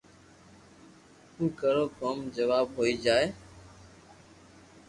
نو ڪرو ڪوم حراب ھوئي جائي